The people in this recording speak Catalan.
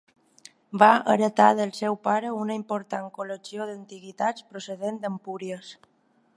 Va heretar del seu pare una important col·lecció d'antiguitats procedents d'Empúries.